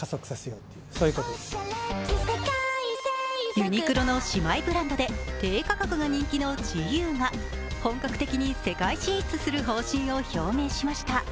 ユニクロの姉妹ブランドで低価格が人気のＧＵが本格的に世界進出する方針を表明しました。